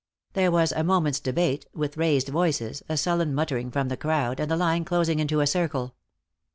There was a moment's debate, with raised voices, a sullen muttering from the crowd, and the line closing into a circle.